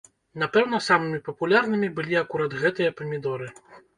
Напэўна, самымі папулярнымі былі акурат гэтыя памідоры.